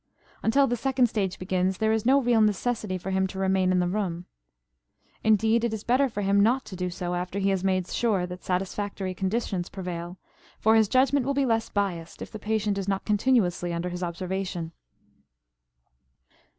Until the second stage begins there is no real necessity for him to remain in the room. Indeed, it is better for him not to do so after he has made sure that satisfactory conditions prevail, for his judgment will be less biased if the patient is not continuously under his observation.